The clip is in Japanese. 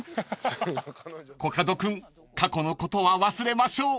［コカド君過去のことは忘れましょう］